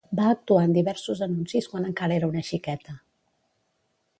Va actuar en diversos anuncis quan encara era una xiqueta.